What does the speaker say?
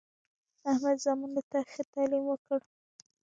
احمد زامنو ته ښه تعلیم وکړ.